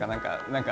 何か。